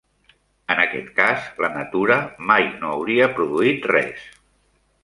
En aquest cas, la natura mai no hauria produït res.